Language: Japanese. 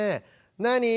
「何？」。